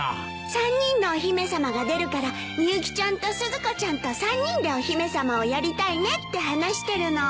３人のお姫様が出るからみゆきちゃんとスズコちゃんと３人でお姫様をやりたいねって話してるの。